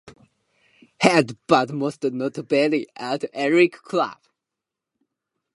Heat, but most notably at Eric's Club.